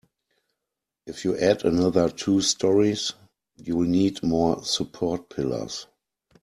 If you add another two storeys, you'll need more support pillars.